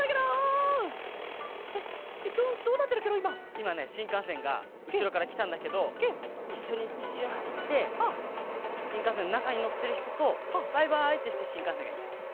いまねしんかんせんがうしろからきたんだけどいっしょにいっしゅんはしってしんかんせんのなかにのってるひととバイバイってしてしんかんせんがいっちゃった。